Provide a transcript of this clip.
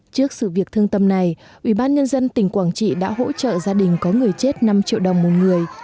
trước sự việc thương tâm này ủy ban nhân dân tỉnh quảng trị đã hỗ trợ gia đình có người chết năm triệu đồng một người